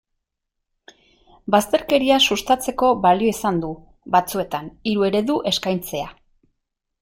Bazterkeria sustatzeko balio izan du, batzuetan, hiru eredu eskaintzea.